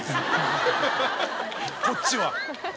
こっちは。